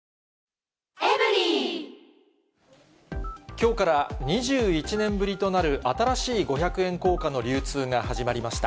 きょうから２１年ぶりとなる新しい五百円硬貨の流通が始まりました。